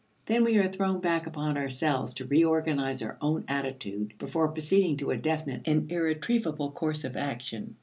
Then we are thrown back upon ourselves to reorganize our own attitude before proceeding to a definite and irretrievable course of action.